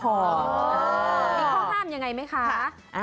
มีข้อห้ามยังไงไหมคะ